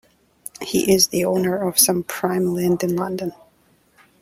He is the owner of some prime land in London.